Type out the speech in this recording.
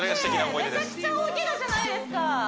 めちゃくちゃ大けがじゃないですか